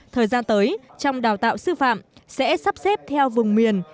thời gian tới trong đào tạo sư phạm sẽ sắp xếp theo vùng miền